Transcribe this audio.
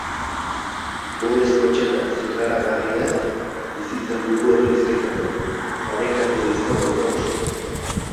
Ohorezko txanda zirragararia bizi izan dugu herri bizkaitarrean, parekatua izan baita oso.